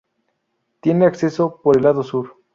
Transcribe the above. Tiene acceso por el lado sur.